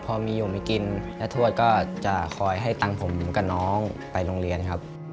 พอมีอยู่มีกินย่าทวดก็จะคอยให้ตังค์ผมกับน้องไปโรงเรียนครับ